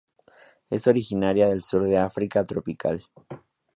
Es originaria del sur de África tropical.